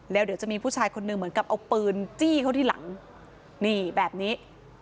แล้วเดี๋ยวจะมีผู้ชายคนหนึ่งเหมือนกับเอาปืนจี้เขาที่หลังนี่แบบนี้